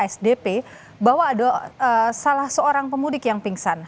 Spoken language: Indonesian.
salah seorang pemudik yang pingsan